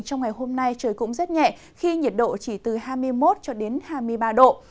trong ngày hôm nay trời cũng rất nhẹ khi nhiệt độ chỉ từ hai mươi một cho đến hai mươi ba độ